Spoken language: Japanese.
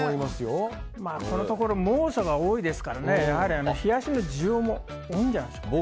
このところ猛暑が多いですからやはり冷やしの需要も多いんじゃないでしょうか。